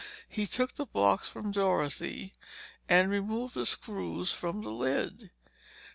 He took the box from Dorothy and removed the screws from the lid.